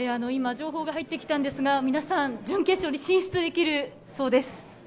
今、情報が入ってきたんですが、皆さん、準決勝に進出できるそうです。